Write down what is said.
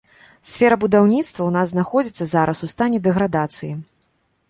Сфера будаўніцтва ў нас знаходзіцца зараз у стане дэградацыі.